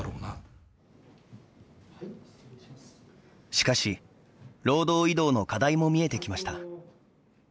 しかし労働移動の課題も見えてきました。